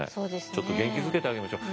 ちょっと元気づけてあげましょう。